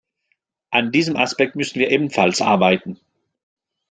An diesem Aspekt müssen wir ebenfalls arbeiten.